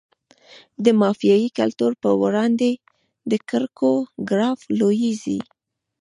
د مافیایي کلتور په وړاندې د کرکو ګراف لوړیږي.